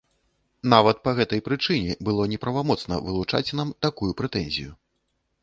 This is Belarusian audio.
Нават па гэтай прычыне было неправамоцна вылучаць нам такую прэтэнзію.